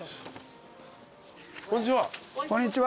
こんにちは。